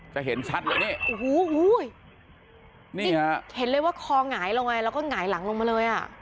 จะเห็นชัดเลยนี่โอ้โหนี่ฮะเห็นเลยว่าคอหงายลงไงแล้วก็หงายหลังลงมาเลยอ่ะ